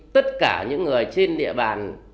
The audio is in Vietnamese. tất cả những người trên địa bàn